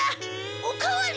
お代わり！